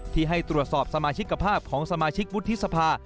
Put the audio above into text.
ที่ให้ตรวจสอบสมาชิกภาพของสมาชิกวุฒิสภา